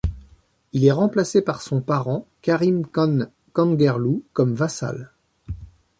Il est remplacé par son parent Karim Khan Kangerlou comme vassal.